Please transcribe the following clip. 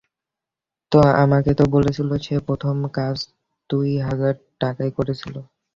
আমাকে তো বলেছিল, সে প্রথম কাজ দুই হাজার টাকায় করেছিল।